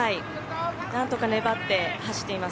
何とか粘って走っています。